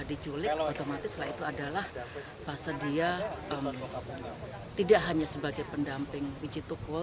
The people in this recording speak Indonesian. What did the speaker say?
dijulik otomatis lah itu adalah bahasa dia tidak hanya sebagai pendamping wijitukul